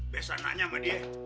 biasa nanya sama dia